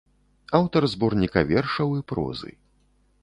Аўтар зборніка вершаў і прозы.